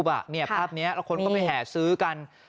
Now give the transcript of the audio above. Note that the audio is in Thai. ภาพนี้แล้วคนก็ไปแห่ซื้อกัน